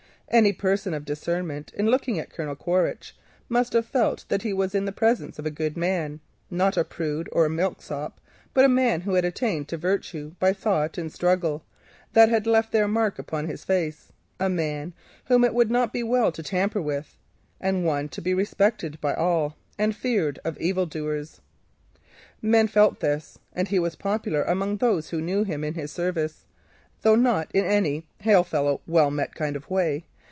Any person of discernment looking on Colonel Quaritch must have felt that he was in the presence of a good man—not a prig or a milksop, but a man who had attained by virtue of thought and struggle that had left their marks upon him, a man whom it would not be well to tamper with, one to be respected by all, and feared of evildoers. Men felt this, and he was popular among those who knew him in his service, though not in any hail fellow well met kind of way.